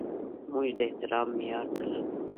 موږ د احترام معیار نه لرو.